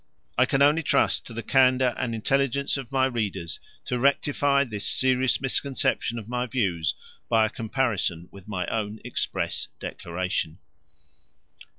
I can only trust to the candour and intelligence of my readers to rectify this serious misconception of my views by a comparison with my own express declaration.